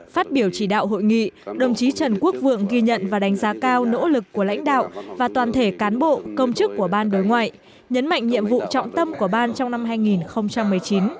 phát biểu chỉ đạo hội nghị đồng chí trần quốc vượng ghi nhận và đánh giá cao nỗ lực của lãnh đạo và toàn thể cán bộ công chức của ban đối ngoại nhấn mạnh nhiệm vụ trọng tâm của ban trong năm hai nghìn một mươi chín